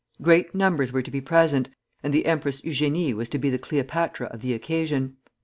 Great numbers were to be present, and the Empress Eugénie was to be the Cleopatra of the occasion.